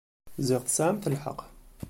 Ẓṛiɣ tesɛamt lḥeq.